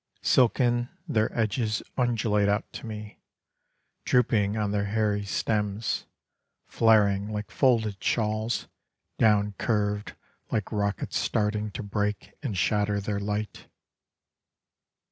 Silken their edges undulate out to me, Drooping on their hairy stems; Flaring like folded shawls, down curved like rockets starting To break and shatter their light.